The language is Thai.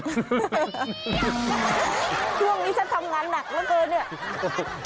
ช่วงนี้ฉันทำงานหนักเหลือเกินเนี่ย